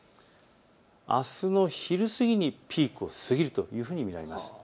あすの昼過ぎにピークを過ぎるというふうに見られます。